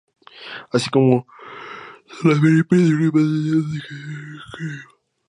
Así fue como Salaverry perdió Lima el día antes de que entrara en Arequipa.